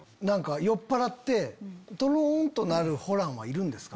酔っぱらってとろん！となるホランはいるんですか？